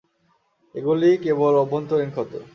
এগুলি কেবল অভ্যন্তরীণ ক্ষত।